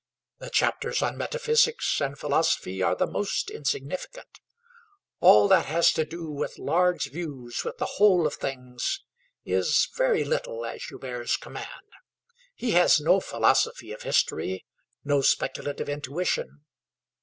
The chapters on metaphysics and philosophy are the most insignificant. All that has to do with large views, with the whole of things, is very little at Joubert's command: he has no philosophy of history, no speculative intuition.